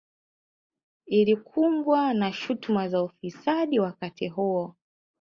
Ilikumbwa na shutuma za ufisadi wakati huo